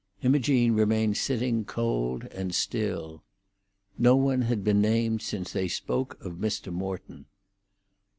Imogene remained sitting cold and still. No one had been named since they spoke of Mr. Morton.